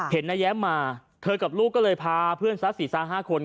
เห็นนายแย้มมาเธอกับลูกก็เลยพาเพื่อนซะสี่สามห้าคน